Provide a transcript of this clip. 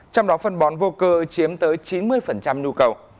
trong đó phân bón vô cơ chiếm tới chín mươi nhu cầu